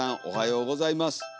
おはようございます。